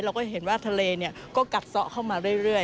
เราก็เห็นว่าทะเลก็กัดซ้อเข้ามาเรื่อย